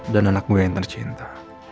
dan anak gue yang tercinta